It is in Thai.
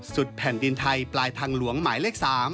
แผ่นดินไทยปลายทางหลวงหมายเลข๓